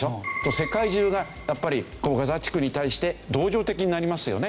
世界中がやっぱりガザ地区に対して同情的になりますよね。